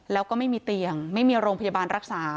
แล้วก็ไม่มีเตียงไม่มีโรงพยาบาลรักษา